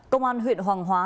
công an huyện hoàng hóa